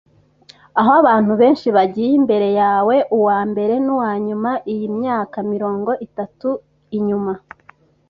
aho abantu benshi bagiye imbere yawe, uwambere nuwanyuma, iyi myaka mirongo itatu inyuma -